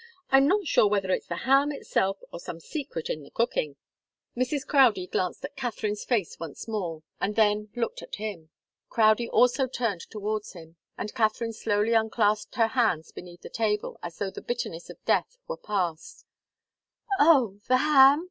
I'm not sure whether it's the ham itself, or some secret in the cooking." Mrs. Crowdie glanced at Katharine's face once more, and then looked at him. Crowdie also turned towards him, and Katharine slowly unclasped her hands beneath the table, as though the bitterness of death were passed. "Oh the ham?"